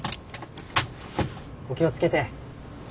お気を付けて。